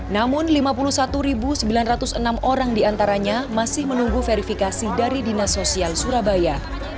namun lima puluh satu sembilan ratus enam orang diantaranya masih menunggu verifikasi dari dinas sosial surabaya